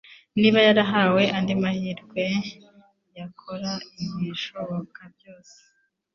Niba yarahawe andi mahirwe, yakora ibishoboka byose.